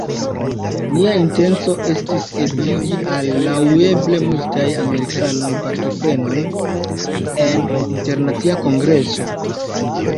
nia intenco estis ebligi al laŭeble multaj amerikanoj partoprenon en internacia kongreso.